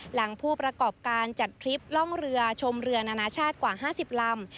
หลังผู้ประกอบการจัดทริปล่องเรือชมเรือนานาชาติกว่า๕๐ลำ